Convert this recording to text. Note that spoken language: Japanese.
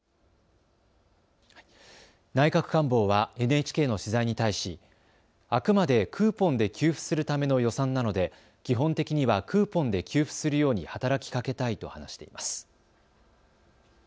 内閣官房はＮＨＫの取材に対しあくまでクーポンで給付するための予算なので基本的にはクーポンで給付するように働きかけたいと話しています。